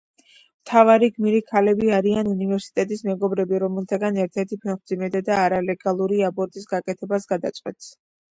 მთავარი გმირი ქალები არიან უნივერსიტეტის მეგობრები, რომელთაგან ერთ-ერთი ფეხმძიმედაა და არალეგალური აბორტის გაკეთებას გადაწყვეტს.